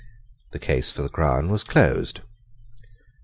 The case for the crown was closed.